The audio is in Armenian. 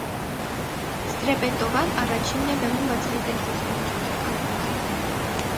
Ստրեպետովան առաջինն է բեմում բացահայտել ռուս կնոջ հոգեկան ուժը։